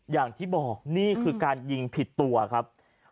อย่างที่บอกนี่คือการยิงผิดตัวครับ